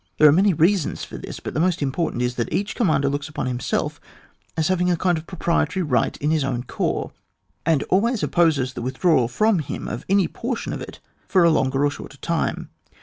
There are many reasons for this, but the most important is that each commander looks upon himself as having a kind of proprietary right in his own corps, and always opposes the withdrawal from him of any portion of it for a longer or shorter time.